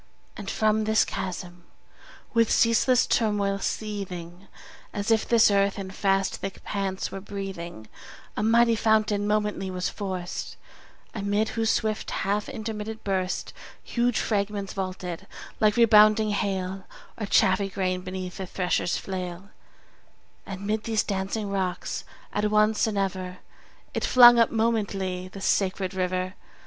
And from this chasm, with ceaseless turmoil seething, As if this earth in fast thick pants were breathing, A mighty fountain momently was forced; Amid whose swift half intermitted burst 20 Huge fragments vaulted like rebounding hail, Or chaffy grain beneath the thresher's flail: And 'mid these dancing rocks at once and ever It flung up momently the sacred river.